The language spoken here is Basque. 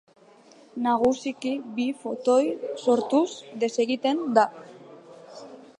Nagusiki bi fotoi sortuz desegiten da.